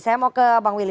saya mau ke bang willy